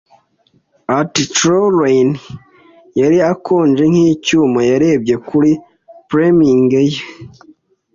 ati: Trelawney yari akonje nkicyuma. Yarebye kuri priming ye